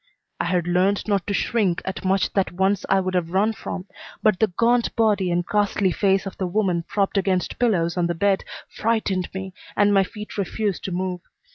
I had learned not to shrink at much that once I would have run from, but the gaunt body and ghastly face of the woman propped against pillows on the bed frightened me, and my feet refused to move.